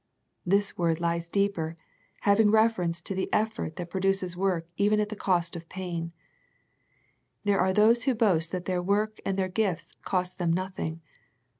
This word lies deeper, having reference to the effort that produces work even at the cost of pain. There are those who boast that their work and their gifts cost them nothing.